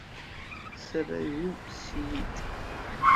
Сара ҩынтә сиит.